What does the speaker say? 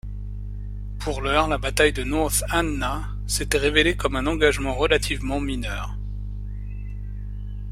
Pour l'heure, la bataille de North Anna s'était révélée comme un engagement relativement mineur.